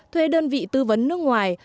thuê đơn vị tư vấn nước ngoài